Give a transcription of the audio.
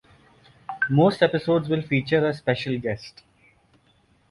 Most episodes will feature a special guest.